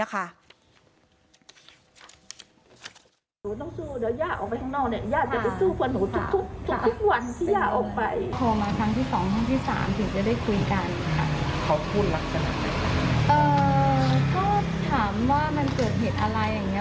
ก็ถามว่ามันเกิดเหตุอะไรอย่างนี้